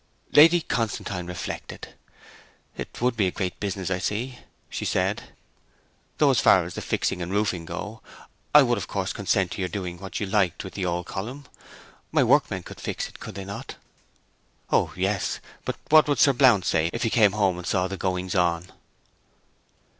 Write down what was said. Lady Constantine reflected. 'It would be a great business, I see,' she said. 'Though as far as the fixing and roofing go, I would of course consent to your doing what you liked with the old column. My workmen could fix it, could they not?' 'O yes. But what would Sir Blount say, if he came home and saw the goings on?'